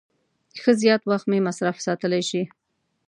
ښه زیات وخت مې مصروف ساتلای شي.